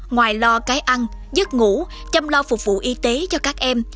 ngoài lo cái ăn giấc ngủ chăm lo phục vụ y tế cho các em